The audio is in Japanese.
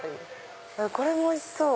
これもおいしそう！